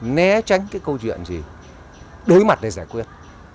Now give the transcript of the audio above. né tránh cái câu chuyện gì đối mặt để giải quyết